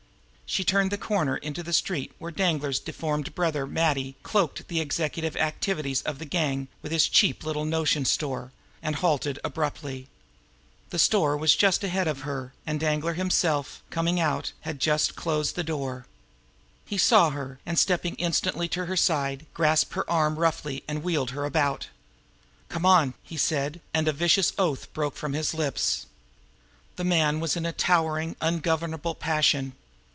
She turned the corner into the street where Danglar's deformed brother, Matty, cloaked the executive activities of the gang with his cheap little notion store and halted abruptly. The store was just ahead of her, and Danglar himself, coming out, had just closed the door. He saw her, and stepping instantly to her side, grasped her arm roughly and wheeled her about. "Come on!" he said and a vicious oath broke from his lips. The man was in a towering, ungovernable passion.